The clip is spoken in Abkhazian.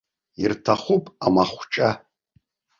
Ирҭахуп амахәҿа.